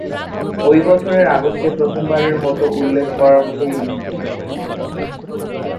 ঐ বছরের আগস্টে প্রথমবারের মতো উল্লেখ করার মতো ইনিংস খেলেন।